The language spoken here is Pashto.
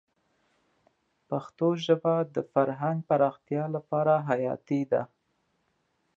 پښتو ژبه د فرهنګ پراختیا لپاره حیاتي ده.